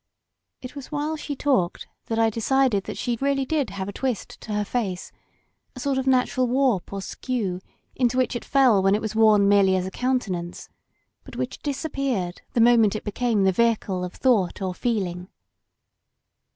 It was while she talked that I decided that she really did have a twist to her face, a sort of natural warp or skew into which it fell when it was worn merely as a cotmtenance, but which disappeared the moment it became the vehicle of tho.ught or feeling.